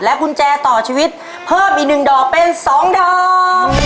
กุญแจต่อชีวิตเพิ่มอีก๑ดอกเป็น๒ดอก